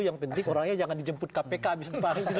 yang penting orangnya jangan dijemput kpk abis dipanggil gitu